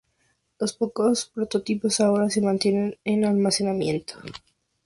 Los pocos prototipos ahora se mantienen en almacenamiento.